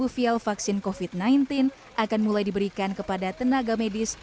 dua puluh vial vaksin covid sembilan belas akan mulai diberikan kepada tenaga medis